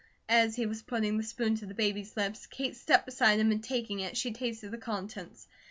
As he was putting the spoon to the baby's lips, Kate stepped beside him and taking it, she tasted the contents.